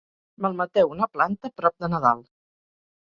Malmeteu una planta prop de Nadal.